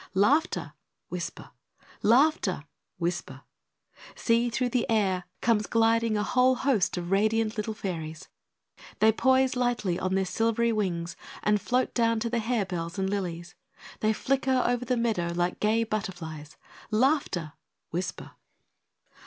Laughter! whisper! Laughter! whisper! See, through the air comes gliding a whole host of radiant little Fairies. They poise lightly on their silvery wings, and float down to the harebells and lilies. They flicker over the meadow like gay butterflies. Laughter! whisper!